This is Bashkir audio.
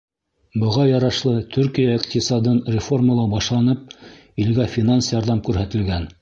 Быға ярашлы Төркиә иҡтисадын реформалау башланып, илгә финанс ярҙам күрһәтелгән.